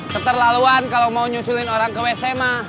keterlaluan kalau mau nyusulin orang ke wc ma